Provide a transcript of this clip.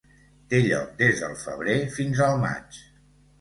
Té lloc des del febrer fins al maig.